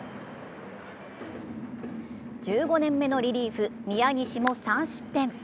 １５年目のリリーフ・宮西も３失点。